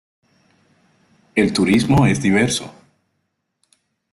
El turismo es diverso.